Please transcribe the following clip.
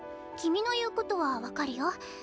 君の言うことは分かるよ。